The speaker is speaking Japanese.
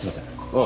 ああ。